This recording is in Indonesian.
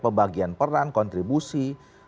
pembagian peran kontribusi